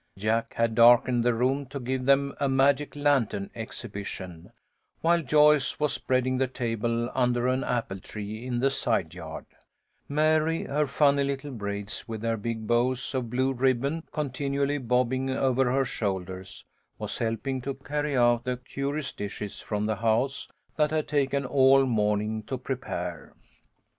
Jack had darkened the room to give them a magic lantern exhibition, while Joyce was spreading the table under an apple tree in the side yard. Mary, her funny little braids with their big bows of blue 91 92 THE LITTLE COLONEL'S HOLIDAYS. ribbon continually bobbing over her shoulders, was helping to carry out the curious dishes from the house that had taken all morning to prepare.